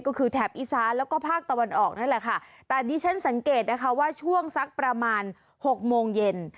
ก็คือแถบอีสานแล้วก็ภาคตะวันออกนั่นแหละค่ะแต่ดิฉันสังเกตนะคะว่าช่วงสักประมาณหกโมงเย็น